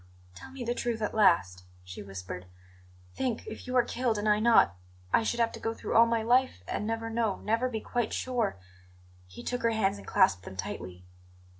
"Tell me the truth at last," she whispered. "Think, if you are killed and I not I should have to go through all my life and never know never be quite sure " He took her hands and clasped them tightly.